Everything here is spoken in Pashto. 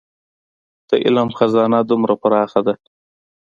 د علم خزانه دومره پراخه ده.